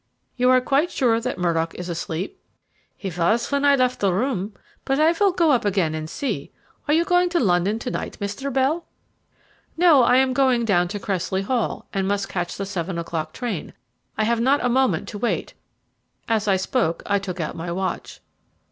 You are quite sure that Murdock is asleep?" "He was when I left the room, but I will go up again and see. Are you going to London to night, Mr. Bell?" "No; I am going down to Cressley Hall, and must catch the seven o'clock train. I have not a moment to wait." As I spoke I took out my watch.